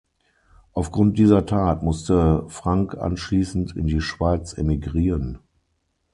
Aufgrund dieser Tat musste Frank anschließend in die Schweiz emigrieren.